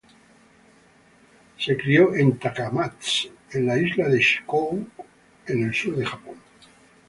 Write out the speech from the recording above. Se crio en Takamatsu, en la isla de Shikoku, en el sur de Japón.